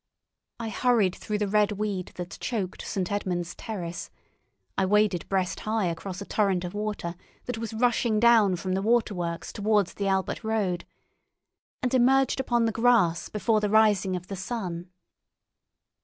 I hurried through the red weed that choked St. Edmund's Terrace (I waded breast high across a torrent of water that was rushing down from the waterworks towards the Albert Road), and emerged upon the grass before the rising of the sun.